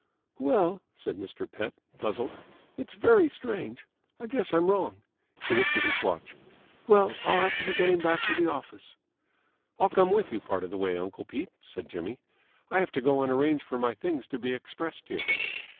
"Well," said Mr. Pett, puzzled. "It's very strange. I guess I'm wrong." He looked at his watch. "Well, I'll have to be getting back to the office." "I'll come with you part of the way, uncle Pete," said Jimmy. "I have to go and arrange for my things to be expressed here."